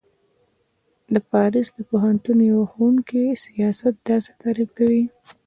ج : د پاریس د پوهنتون یوه ښوونکی سیاست داسی تعریف کوی